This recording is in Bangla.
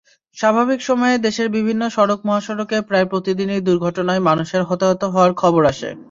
স্বাভাবিক সময়ে দেশের বিভিন্ন সড়ক-মহাসড়কে প্রায় প্রতিদিনই দুর্ঘটনায় মানুষের হতাহত হওয়ার খবর আসে।